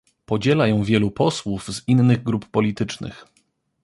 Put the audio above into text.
Podziela ją wielu posłów z innych grup politycznych